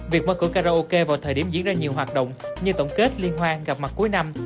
việc mở cửa karaoke vào thời điểm diễn ra nhiều hoạt động như tổng kết liên hoan gặp mặt cuối năm